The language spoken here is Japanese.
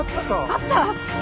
あった！